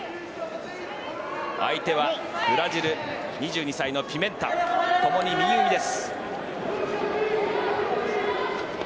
相手はブラジル、２２歳のピメンタ。ともに右組みです。